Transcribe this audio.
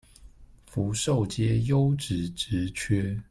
福壽街優質職缺